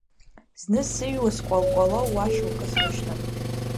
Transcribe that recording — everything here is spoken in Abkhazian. Зны, сыҩуа, скәал-кәало уа шьоукы срышьҭан…